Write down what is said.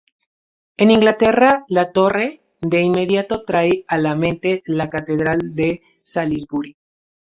En Inglaterra, la "torre" de inmediato trae a la mente la catedral de Salisbury.